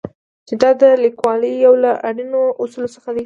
چې دا د لیکوالۍ یو له اړینو اصولو څخه دی.